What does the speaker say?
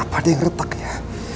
apa dia yang retak ya